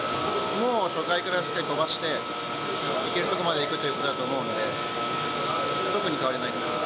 もう初回からしっかり飛ばして、いけるとこまでいくってことだと思うんで、特に変わりないというか。